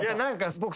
僕